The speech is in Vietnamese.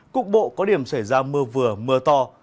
cục bộ có điểm xảy ra mưa vừa mưa to